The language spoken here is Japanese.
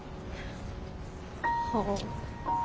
はあ。